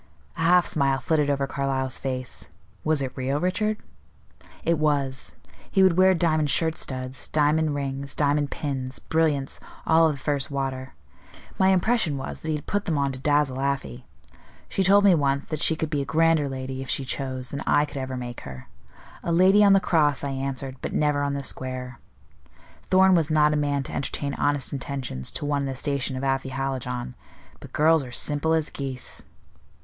A half smile flitted over Carlyle's face. "Was it real, Richard?" "It was. He would wear diamond shirt studs, diamond rings, diamond pins; brilliants, all of the first water. My impression was, that he put them on to dazzle Afy. She told me once that she could be a grander lady, if she chose, than I could ever make her. 'A lady on the cross,' I answered, 'but never on the square.' Thorn was not a man to entertain honest intentions to one in the station of Afy Hallijohn; but girls are simple as geese."